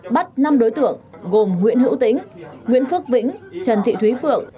bắt năm đối tượng gồm nguyễn hữu tĩnh nguyễn phước vĩnh trần thị thúy phượng